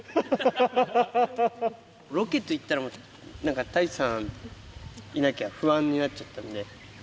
ロケといったら、なんか太一さんいなきゃ不安になっちゃったんで。